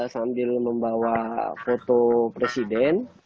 sambil membawa foto presiden